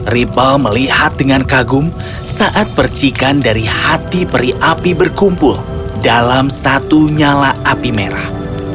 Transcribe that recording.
ripple melihat dengan kagum saat percikan dari hati peri api berkumpul dalam satu nyala api merah